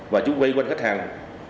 và chúng vai quần khách hàng